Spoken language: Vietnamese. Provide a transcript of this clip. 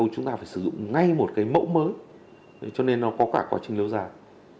chúng ta phải sử dụng ngay một cái mẫu mới cho nên nó có cả quá trình lâu dài